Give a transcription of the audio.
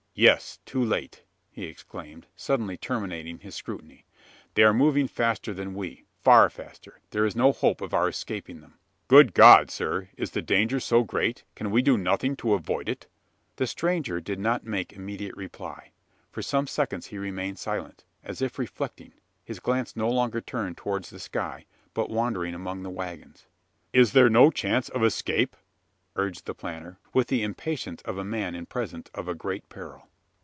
"Yes: too late!" he exclaimed, suddenly terminating his scrutiny. "They are moving faster than we far faster. There is no hope of our escaping them!" "Good God, sir! is the danger so great? Can we do nothing to avoid it?" The stranger did not make immediate reply. For some seconds he remained silent, as if reflecting his glance no longer turned towards the sky, but wandering among the waggons. "Is there no chance of escape?" urged the planter, with the impatience of a man in presence of a great peril.